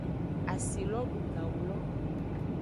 Asi lo du gawu lo.